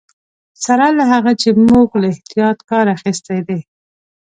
سره له هغه چې موږ له احتیاط کار اخیستی دی.